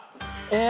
え！